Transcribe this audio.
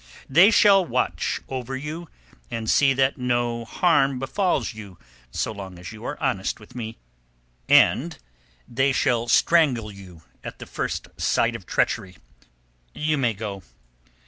"They shall watch over you, and see that no harm befalls you so long as you are honest with me, and they shall strangle you at the first sign of treachery. You may go.